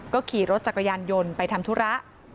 ขี่รถจักรยานยนต์ไปทำธุระ